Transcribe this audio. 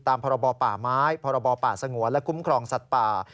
พรบป่าไม้พรบป่าสงวนและคุ้มครองสัตว์ป่า